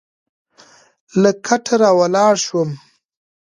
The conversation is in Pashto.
له کټه راولاړ شوم.